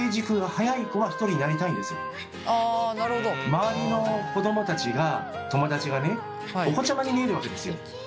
周りの子供たちが友だちがねお子ちゃまに見えるわけですよ。